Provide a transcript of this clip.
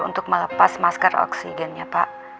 untuk melepas masker oksigennya pak